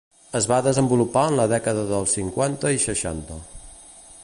Es va desenvolupar en la dècada dels cinquanta i seixanta.